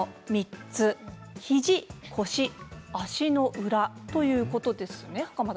肘、腰、足の裏ということですね。